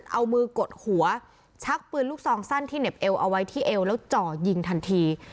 เอามือกดหัวชักปืนลูกซองสั้นที่เหน็บเอวเอาไว้ที่เอวแล้วจ่อยิงทันที